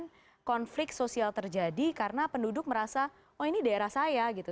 kemudian konflik sosial terjadi karena penduduk merasa oh ini daerah saya gitu